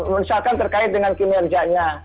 misalkan terkait dengan kinerjanya